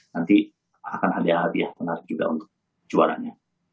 nanti akan ada hadiah menarik juga untuk juaranya